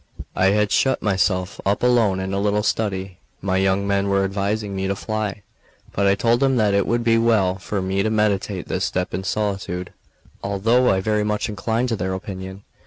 I had shut myself up alone in a little study. My young men were advising me to fly; but I told them that it would be well for me to meditate this step in solitude, although I very much inclined to their opinion.